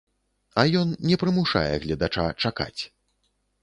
А ён не прымушае гледача чакаць!